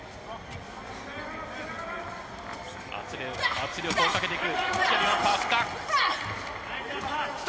圧力をかけていく。